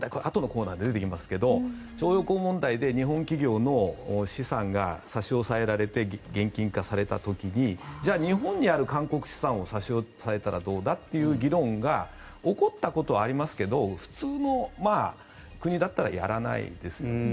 あとのコーナーで出てきますが徴用工問題で日本企業の資産が差し押さえられて現金化された時にじゃあ日本にある韓国資産を差し押さえたらどうだという議論が起こったことはありますが普通の国だったらやらないですよね。